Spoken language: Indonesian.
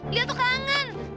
lia tuh kangen